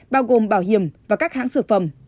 bao gồm bảo hiểm và các hãng sửa phẩm